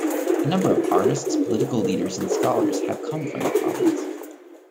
A number of artists, political leaders and scholars have come from the province.